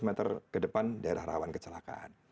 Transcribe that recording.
lima meter ke depan daerah rawan kecelakaan